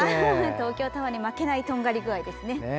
東京タワーに負けないとんがり具合ですね。